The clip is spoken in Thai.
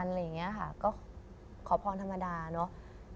อะไรอย่างนี้ค่ะก็ขอพรธรรมดาเนอะ